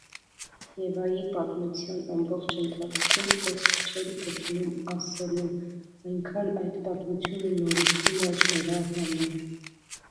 Եվայի պատմության ամբողջ ընթացքում խոսք չէր գտնում ասելու - այնքան այդ պատմությունը նորություն էր նրա համար: